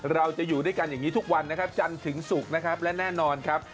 เราจะอยู่ด้วยกันอย่างนี้ทุกวันนะครับจันทร์ถึงศุกร์นะครับและแน่นอนครับ